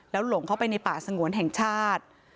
หลงเข้าไปในป่าสงวนแห่งชาติ